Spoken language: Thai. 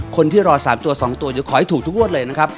คนที่รอ๓ตัว๒ตัวเดี๋ยวขอให้ถูกทุกงวดเลยนะครับ